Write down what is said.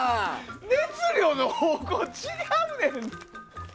熱量の方向が違うねん！